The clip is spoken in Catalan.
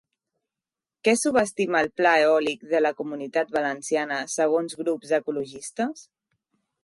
Què subestima el Pla Eòlic de la Comunitat Valenciana segons grups ecologistes?